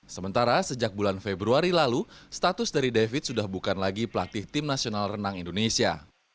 sementara sejak bulan februari lalu status dari david sudah bukan lagi pelatih tim nasional renang indonesia